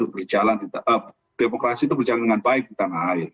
berjalan demokrasi itu berjalan dengan baik di tanah air